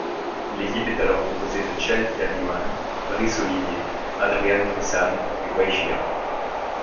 L'équipe est alors composée de Chen Tianyuan, Brice Ollivier, Adrian Crisan et Wei Shihao.